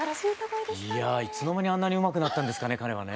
いやあいつの間にあんなにうまくなったんですかね彼はね。